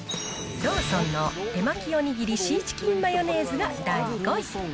ローソンの手巻おにぎりシーチキンマヨネーズが第５位。